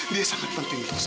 dia sangat penting untuk saya